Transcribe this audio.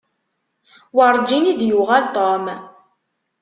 Werǧin i d-yuɣal Tom.